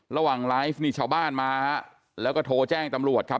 ระหว่างไลฟ์นี่ชาวบ้านมาฮะแล้วก็โทรแจ้งตำรวจครับ